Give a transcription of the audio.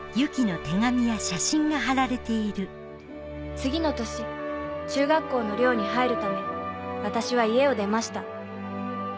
次の年中学校の寮に入るため私は家を出ました